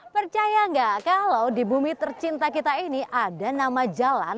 percaya nggak kalau di bumi tercinta kita ini ada nama jalan